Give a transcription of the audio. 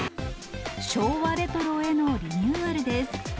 昭和レトロへのリニューアルです。